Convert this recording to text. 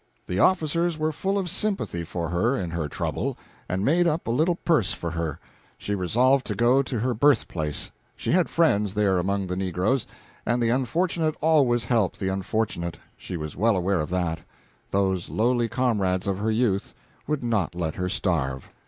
The officers were full of sympathy for her in her trouble, and made up a little purse for her. She resolved to go to her birthplace; she had friends there among the negroes, and the unfortunate always help the unfortunate, she was well aware of that; those lowly comrades of her youth would not let her starve.